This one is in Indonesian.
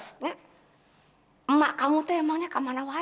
tapi kayak gua emang kemana